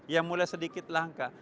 yang mulai sedikit langka